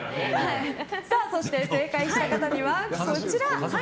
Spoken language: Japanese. そして正解した方にはこちら。